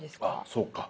そうか。